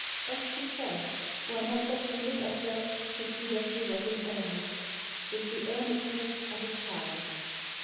As she said, one had but to look at her to see that she was in earnest — with the earnestness of a child.